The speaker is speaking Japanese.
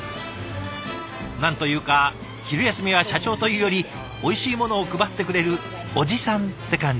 何というか昼休みは社長というよりおいしいものを配ってくれるおじさんって感じ？